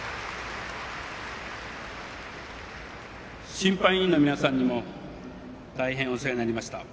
審判委員の皆さんにも大変お世話になりました。